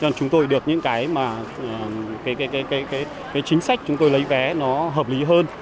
cho nên chúng tôi được những cái mà chính sách chúng tôi lấy vé nó hợp lý hơn